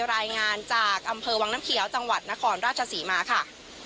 รายงานจากอำเภอวังน้ำเขียวจังหวัดนครราชศรีมาค่ะ